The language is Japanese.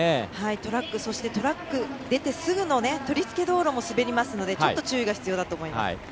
トラックとトラック出てすぐの取り付け道路も滑りますのでちょっと注意が必要だと思います。